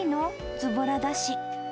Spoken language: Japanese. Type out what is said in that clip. ずぼらだし。